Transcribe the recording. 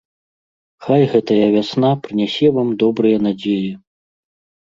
Хай гэтая вясна прынясе вам добрыя надзеі.